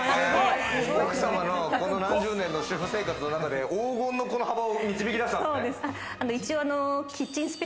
奥様の何十年の主婦生活の中で黄金の幅を導き出したんですね。